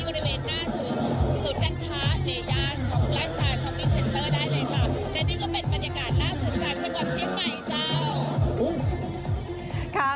ขอบคุณครับ